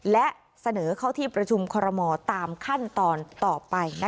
และเสนอเข้าที่ประชุมคอรมอตามขั้นตอนต่อไป